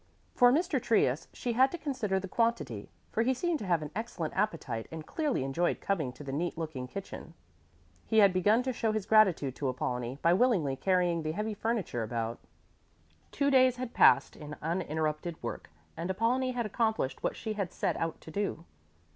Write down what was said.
For Mr. Trius she had to consider the quantity, for he seemed to have an excellent appetite and clearly enjoyed coming to the neat looking kitchen. He had begun to show his gratitude to Apollonie by willingly carrying the heavy furniture about. Two days had passed in uninterrupted work, and Apollonie had accomplished what she had set out to do.